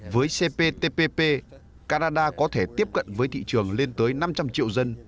với cptpp canada có thể tiếp cận với thị trường lên tới năm trăm linh triệu dân